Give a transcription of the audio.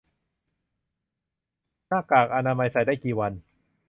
หน้ากากอนามัยใส่ได้กี่วัน